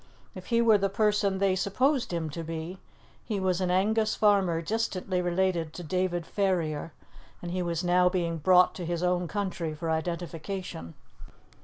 If he were the person they supposed him to be, he was an Angus farmer distantly related to David Ferrier, and he was now being brought to his own country for identification.